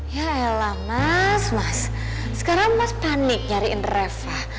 yaelah mas mas sekarang mas panik nyariin reva